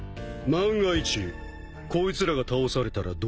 万が一こいつらが倒されたらどうする？